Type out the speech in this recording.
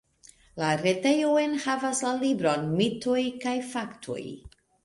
La retejo enhavas la libron Mitoj kaj Faktoj.